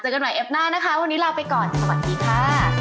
กันใหม่เอ็บหน้านะคะวันนี้ลาไปก่อนสวัสดีค่ะ